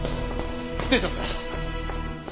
失礼します。